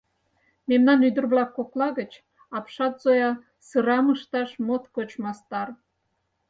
Мемнан ӱдыр-влак кокла гыч апшат Зоя сырам ышташ моткоч мастар.